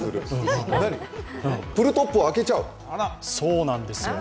プルトップを開けちゃう？